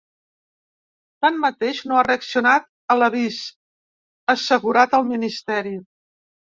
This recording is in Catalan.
Tanmateix, no ha reaccionat a l’avís, ha assegurat el ministeri.